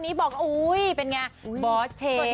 ก็บอกว่าบอสเชน